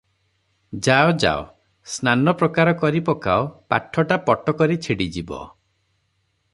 ଯାଅ - ଯାଅ ସ୍ନାନପ୍ରକାର କରି ପକାଅ ପାଠଟା ପଟକରି ଛିଡ଼ିଯିବ ।"